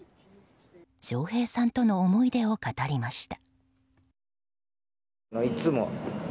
笑瓶さんとの思い出を語りました。